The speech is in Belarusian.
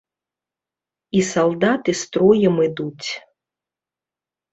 І салдаты строем ідуць.